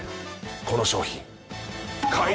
この商品。